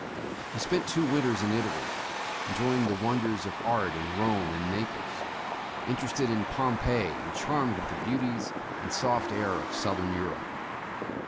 He spent two winters in Italy, enjoying the wonders of art in Rome and Naples, interested in Pompeii, and charmed with the beauties and soft air of Southern Eu rope.